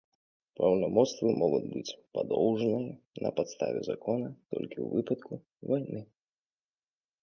Паўнамоцтвы могуць быць падоўжаныя на падставе закона толькі ў выпадку вайны.